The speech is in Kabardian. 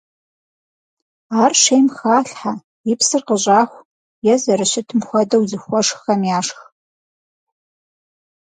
Ар шейм халъхьэ, и псыр къыщӏаху, е зэрыщытым хуэдэу зыхуэшххэм яшх.